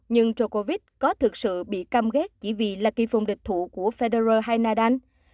nhưng djokovic có thực sự bị căm ghét chỉ vì là kỳ phùng địch thủ của federer hay nadal